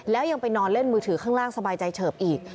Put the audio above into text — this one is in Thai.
แล้วยังไปนอนเล่นมือถือข้างล่างสบายใจเฉิบอีก